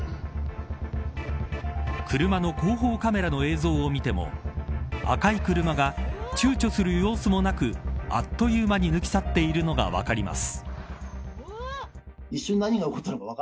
車の後方カメラの映像を見ても赤い車がちゅうちょする様子もなくあっという間に抜き去っていくのが分かります。